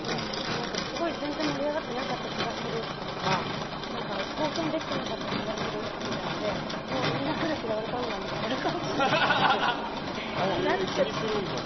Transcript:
すごい全然盛り上がってなかった気がするとか貢献できてなかった気がするみたいなのでみんなから嫌われたんだみたいな感じになっちゃって。